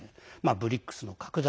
ＢＲＩＣＳの拡大